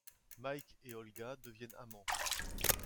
Mike et Olga deviennent amants...